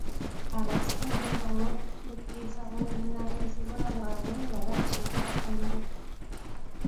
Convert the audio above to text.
Abasiimye olw'okutuukiriza obuvunaanyizibwa bwabwe nga bakiika embuga.